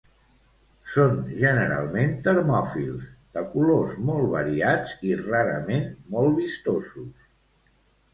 Són generalment termòfils, de colors molt variats i rarament molt vistosos.